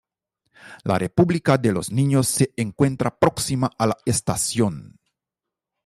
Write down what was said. La República de los Niños se encuentra próxima a la estación.